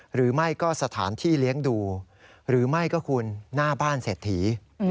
หรือไม่ก็สถานที่เลี้ยงดูหรือไม่ก็คุณหน้าบ้านเศรษฐี